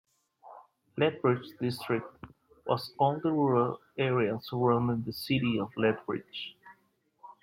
Lethbridge district was all the rural area surrounding the City of Lethbridge.